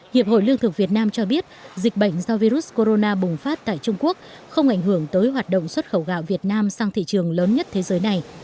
hiệp hội lương thực việt nam cho biết dịch bệnh do virus corona bùng phát tại trung quốc không ảnh hưởng tới hoạt động xuất khẩu gạo việt nam sang thị trường lớn nhất thế giới này